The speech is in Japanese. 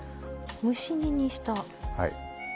蒸し煮にした。